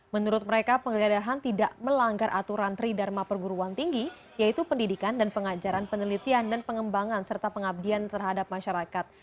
menurut mereka penggeledahan tidak melanggar aturan tridharma perguruan tinggi yaitu pendidikan dan pengajaran penelitian dan pengembangan serta pengabdian terhadap masyarakat